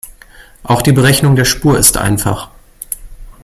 Auch die Berechnung der Spur ist einfach.